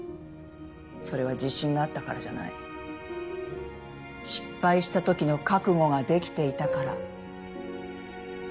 それは自信があったからじゃない失敗したときの覚悟ができていたから。